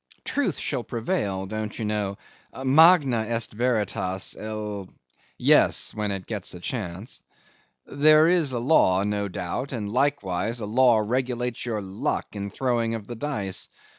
Truth shall prevail don't you know Magna est veritas el ... Yes, when it gets a chance. There is a law, no doubt and likewise a law regulates your luck in the throwing of dice.